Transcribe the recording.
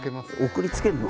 送りつけるの？